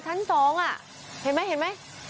เห็นไหม